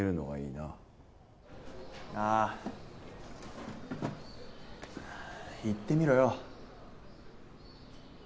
なあ言ってみろよ。